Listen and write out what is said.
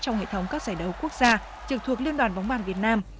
trong hệ thống các giải đấu quốc gia trực thuộc liên đoàn bóng bàn việt nam